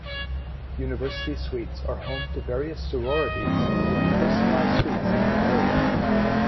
University Suites are home to various sororities who have personalized suites in the area.